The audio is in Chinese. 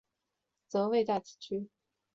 则位在此区。